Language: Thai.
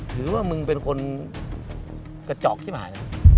ถือว่ามึงเป็นคนกระจอกชิบหาย